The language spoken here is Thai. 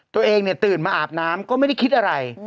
ตัวเองตื่นมาอาบน้ำก็ไม่ได้คิดอะไร